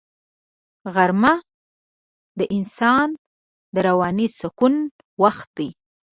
غرمه د انسان د رواني سکون وخت دی